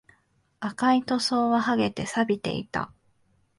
赤い塗装は剥げて、錆びていた